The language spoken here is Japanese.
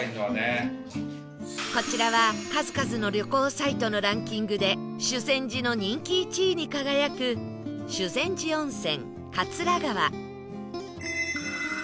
こちらは数々の旅行サイトのランキングで修善寺の人気１位に輝く修善寺温泉桂川